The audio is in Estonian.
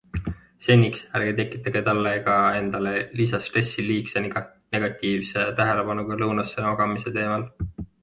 Seniks, ärge tekitage talle ega endale lisastressi liigse negatiivse tähelepanuga lõunase magamise teemal.